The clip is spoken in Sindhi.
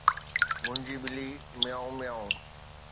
منهنجي ٻلي، ميوو ميوو.